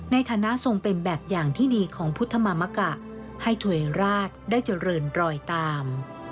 ในฐานะทรงเป็นแบบอย่างที่ดีของพุทธมามกะให้ถวยราชได้เจริญรอยตาม